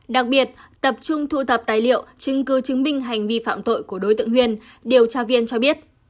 đặc biệt tập trung thu thập tài liệu chứng cứ chứng minh hành vi phạm tội của đối tượng huyền điều tra viên cho biết